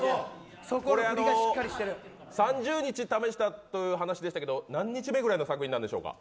３０日試したという話でしたけど何日目ぐらいの作品なんでしょうか。